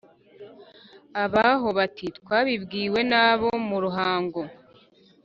ab'aho bati: « twabibwiwe n' abo mu ruhango